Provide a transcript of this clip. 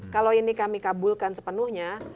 kalau ini kami kabulkan sepenuhnya